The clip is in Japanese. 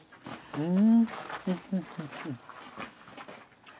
うん。